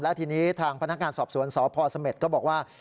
และทีนี้ทางพนักงานสอบสวนสพเสม็ดก็บอกว่า